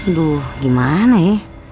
aduh gimana ya